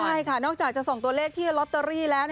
ใช่ค่ะนอกจากจะส่งตัวเลขที่ลอตเตอรี่แล้ว